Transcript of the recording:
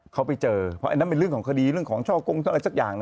เขาไปเจอเพราะอันนั้นเป็นเรื่องของคดีเรื่องของช่อกงอะไรสักอย่าง